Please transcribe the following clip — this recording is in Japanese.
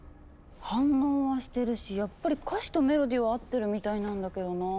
反応はしてるしやっぱり歌詞とメロディーは合ってるみたいなんだけどな。